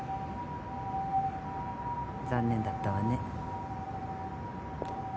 残念だったわね。